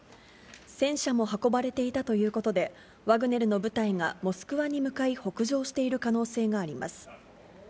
戦車も運ばれていたということで、ワグネルの部隊が、モスクワに向かい、北上している可能性があります。